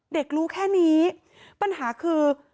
รู้แค่นี้ปัญหาคือ